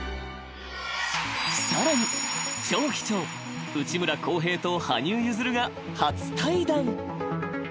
［さらに超貴重内村航平と羽生結弦が初対談］